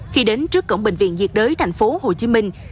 khi đến trước cổng bệnh viện diệt đới thành phố hồ chí minh